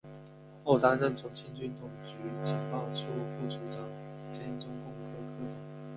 后担任重庆军统局情报处副处长兼中共科科长。